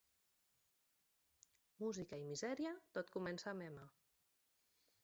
Músic i misèria tot comença amb ema.